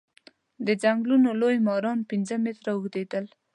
د ځنګلونو لوی ماران پنځه متره اوږديدل.